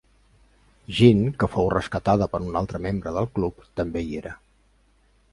Gin, que fou rescatada per un altre membre del club, també hi era.